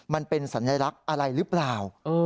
มันเป็นสัญลักษณ์อะไรหรือเปล่า